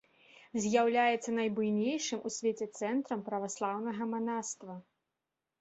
З'яўляецца найбуйнейшым у свеце цэнтрам праваслаўнага манаства.